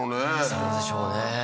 そうでしょうね